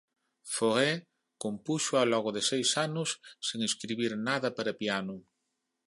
Fauré compúxoa logo de seis anos sen escribir nada para piano.